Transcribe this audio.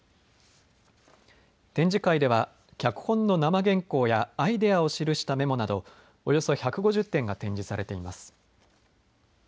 展示会では脚本の生原稿やアイデアを記したメモなどおよそ１５０点が展示されています。